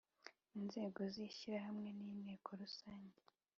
Inzego z Ishyirahamwe ni Inteko Rusange